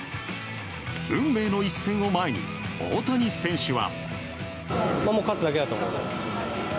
運命の一戦を前に大谷選手は。